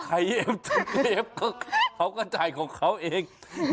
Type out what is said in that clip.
ใครเอ็บจากเอ็บเขาก็จ่ายของเขาเอง